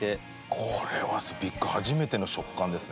これはビックリ初めての食感ですね。